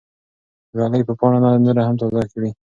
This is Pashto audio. ږلۍ به پاڼه نوره هم تازه کړي.